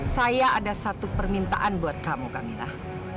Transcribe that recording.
saya ada satu permintaan buat kamu kamilah